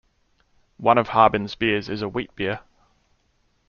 One of Harbin's beers is a wheat beer.